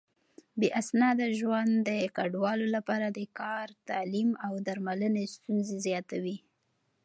بې اسناده ژوند د کډوالو لپاره د کار، تعليم او درملنې ستونزې زياتوي.